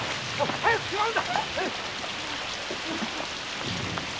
早くしまうんだ。